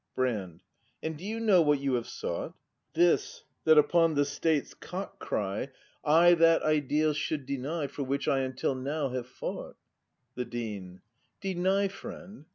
Brand. ght? And do you know what you have soug This, that upon the State's cock cry 244 BRAND [act v I that Ideal should deny For which I until now have fought ? The Dean. Deny, friend